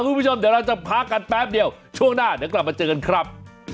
คุณผู้ชมเดี๋ยวเราจะพักกันแป๊บเดียวช่วงหน้าเดี๋ยวกลับมาเจอกันครับ